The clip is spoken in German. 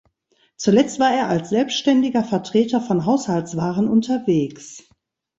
Zuletzt war er als selbstständiger Vertreter von Haushaltswaren unterwegs.